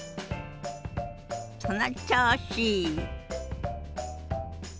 その調子！